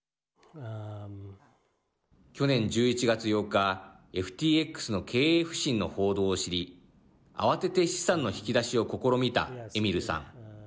去年１１月８日ＦＴＸの経営不振の報道を知り慌てて資産の引き出しを試みたエミルさん。